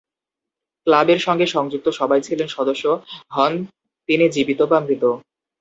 ক্লাবের সঙ্গে সংযুক্ত সবাই ছিলেন সদস্য, হন তিনি জীবিত বা মৃত।